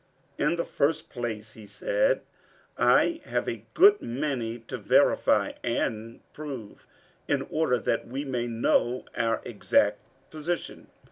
"In the first place," he said, "I have a good many to verify and prove, in order that we may know our exact position.